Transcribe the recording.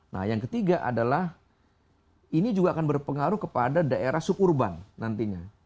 nah yang ketiga adalah ini juga akan berpengaruh kepada daerah sukurban nantinya